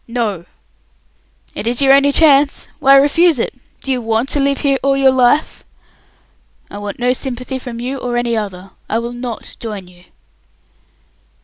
"No!" "It is your only chance. Why refuse it? Do you want to live here all your life?" "I want no sympathy from you or any other. I will not join you."